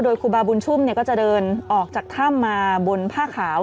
โดยครูบาบุญชุมก็จะเดินออกจากถ้ำมาบนผ้าขาว